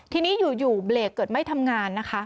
ทีนี้อยู่เบรกเกิดไม่ทำงานนะคะ